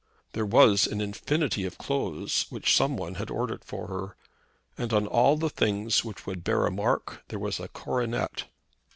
There was an infinity of clothes which someone had ordered for her, and on all the things which would bear a mark, there was a coronet.